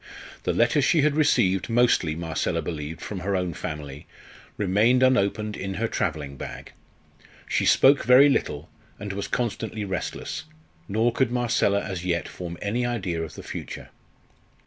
The letters she had received, mostly, Marcella believed, from her own family, remained unopened in her travelling bag. She spoke very little, and was constantly restless, nor could Marcella as yet form any idea of the future.